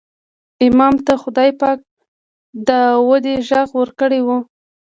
امام ته خدای پاک داودي غږ ورکړی و.